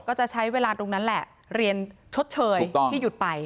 ก็จะใช้เวลาตรงนั้นแหละเรียนชดเชยที่หยุดไป